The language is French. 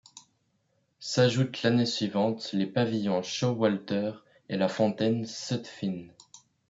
S'ajoutent l'année suivante les pavillons Showalter et la fontaine Sutphin.